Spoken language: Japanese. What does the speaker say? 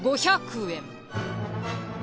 ５００円。